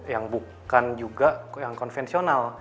yang bukan juga yang konvensional